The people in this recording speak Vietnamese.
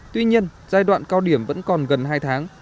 tuy nhiên giai đoạn cao điểm vẫn còn gần hai tháng